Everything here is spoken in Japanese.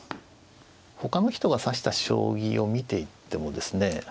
他の人が指した将棋を見ていてもですね。